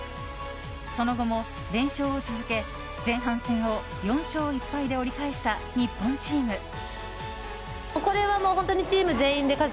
その後も連勝を続け、前半戦を４勝１敗で折り返した日本チーム。